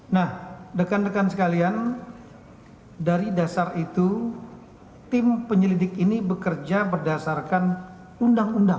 nah rekan rekan sekalian dari dasar itu tim penyelidik ini bekerja berdasarkan undang undang